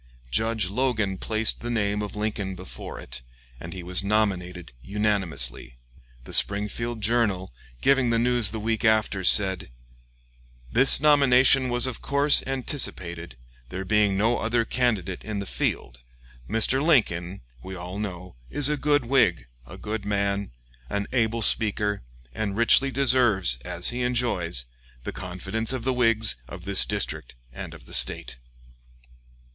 Judge Logan placed the name of Lincoln before it, and he was nominated unanimously. The Springfield "Journal," giving the news the week after, said: "This nomination was of course anticipated, there being no other candidate in the field. Mr. Lincoln, we all know, is a good Whig, a good man, an able speaker, and richly deserves, as he enjoys, the confidence of the Whigs of this district and of the State."